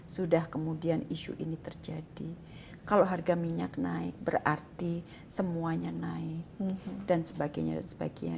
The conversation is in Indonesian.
sudah kemudian isu ini terjadi kalau harga minyak naik berarti semuanya naik dan sebagainya